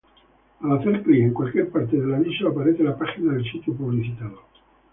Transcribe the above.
Al hacer clic en cualquier parte del aviso aparece la página del sitio publicitado.